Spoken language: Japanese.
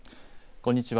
こんにちは。